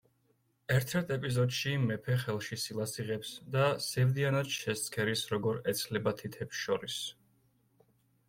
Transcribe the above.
ერთ-ერთ ეპიზოდში მეფე ხელში სილას იღებს და სევდიანად შესცქერის, როგორ ეცლება თითებს შორის.